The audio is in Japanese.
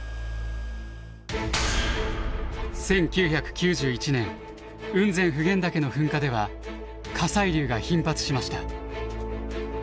１９９１年雲仙普賢岳の噴火では火砕流が頻発しました。